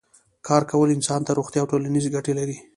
کار کول انسان ته روغتیایی او ټولنیزې ګټې لري